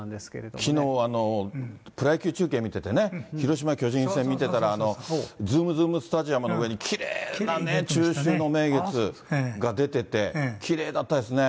きのうは、プロ野球中継見ててね、広島・巨人戦見てたら、ズームズームスタジアムの上にきれいなね、中秋の名月が出てて、きれいだったですね。